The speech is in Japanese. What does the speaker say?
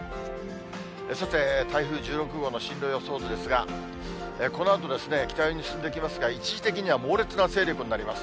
さて、台風１６号の進路予想図ですが、このあと北寄りに進んでいきますが、一時的には猛烈な勢力になります。